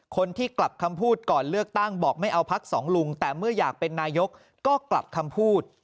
คนที่กลับคำพูดก่อนเลือกตั้งบอกไม่เอาพักสองลุงแต่เมื่ออยากเป็นนายกก็กลับคำพูด